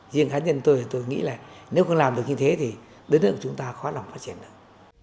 riêng cá nhân tôi thì tôi nghĩ là nếu không làm được như thế thì đối tượng của chúng ta khó làm phát triển được